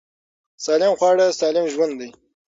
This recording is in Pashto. سالم خواړه سالم ژوند دی.